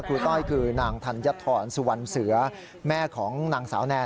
ต้อยคือนางธัญฑรสุวรรณเสือแม่ของนางสาวแนน